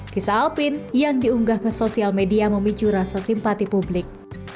kisah alpin yang diunggah ke sosial media memicu rasa simpati publik